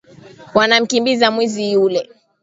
Wanamkimbiza mwizi yule